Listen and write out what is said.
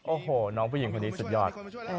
โอ้โหน้องผู้หญิงคนนี้สุดยอด